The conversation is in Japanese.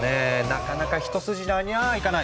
なかなか一筋縄にゃあいかない。